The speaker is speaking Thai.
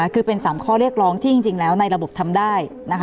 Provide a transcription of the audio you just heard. คือเป็น๓ข้อเรียกร้องที่จริงแล้วในระบบทำได้